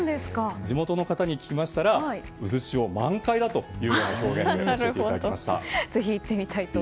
地元の方に聞きましたら渦潮、満開だという表現で教えていただきました。